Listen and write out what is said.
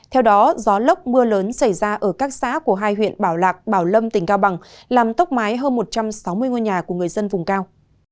theo đó gió lốc mưa lớn xảy ra ở các xã của hai huyện bảo lạc bảo lâm tỉnh cao bằng làm tốc mái hơn một trăm sáu mươi ngôi nhà của người dân vùng cao